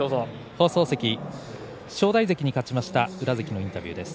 正代関に勝ちました宇良関のインタビューです。